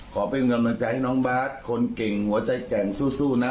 ขอเป็นกำลังใจให้น้องบาทคนเก่งหัวใจแกร่งสู้นะ